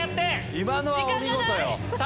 今のはお見事やわ。